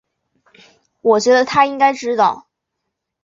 我觉得他应该知道